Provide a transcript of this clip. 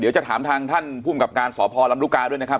เดี๋ยวจะถามทางท่านผู้มกรรมการสพรรรรุกาด้วยนะครับ